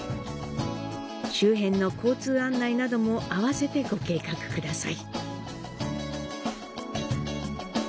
周辺の交通案内などもあわせてご計画ください。